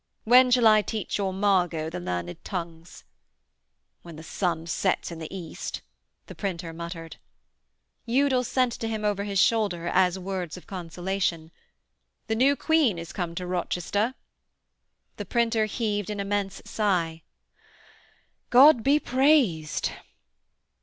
'When shall I teach your Margot the learned tongues?' 'When the sun sets in the East,' the printer muttered. Udal sent to him over his shoulder, as words of consolation: 'The new Queen is come to Rochester.' The printer heaved an immense sigh: 'God be praised!'